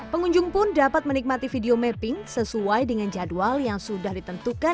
pengunjung pun dapat menikmati video mapping sesuai dengan jadwal yang sudah ditentukan